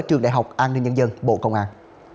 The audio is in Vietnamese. trường đại học an ninh nhân dân bộ công an